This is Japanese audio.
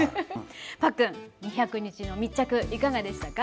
パックン２００日の密着いかがでしたか？